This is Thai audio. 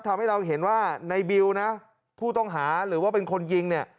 ทำให้เราเห็นว่าในบิวนะผู้ต้องหาหรือว่าเป็นคนยิงเนี่ย